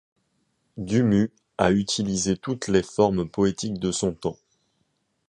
Du Mu a utilisé toutes les formes poétiques de son temps.